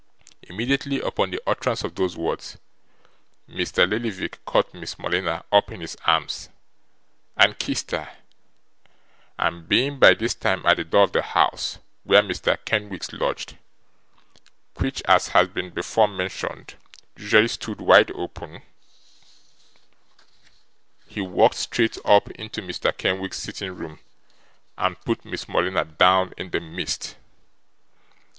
Immediately upon the utterance of these words, Mr. Lillyvick caught Miss Morleena up in his arms, and kissed her; and, being by this time at the door of the house where Mr. Kenwigs lodged (which, as has been before mentioned, usually stood wide open), he walked straight up into Mr Kenwigs's sitting room, and put Miss Morleena down in the midst.